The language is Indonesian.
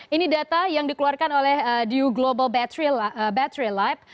ini data yang dikeluarkan oleh new global battery life